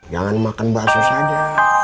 jangan makan bakso saja